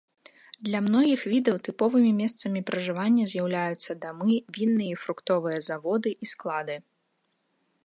Для многіх відаў тыповымі месцамі пражывання з'яўляюцца дамы, вінныя і фруктовыя заводы і склады.